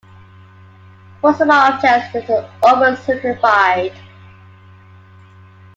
For some objects, this is over-simplified.